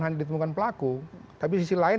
hanya ditemukan pelaku tapi sisi lain